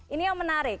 ini yang menarik